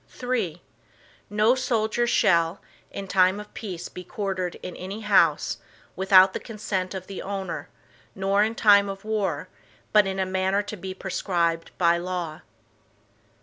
III No soldier shall, in time of peace be quartered in any house, without the consent of the owner, nor in time of war, but in a manner to be prescribed by law.